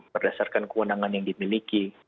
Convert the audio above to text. berdasarkan kewenangan yang dimiliki